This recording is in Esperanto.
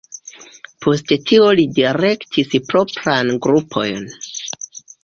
Post tio li direktis proprajn grupojn.